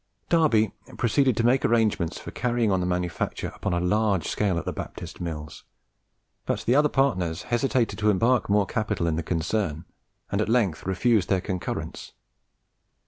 Darby proceeded to make arrangements for carrying on the manufacture upon a large scale at the Baptist Mills; but the other partners hesitated to embark more capital in the concern, and at length refused their concurrence.